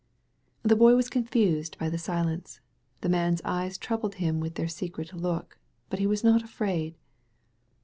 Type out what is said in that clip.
The Boy was confused by the silence. The man's eyes troubled him with their secret look, but he was not afraid.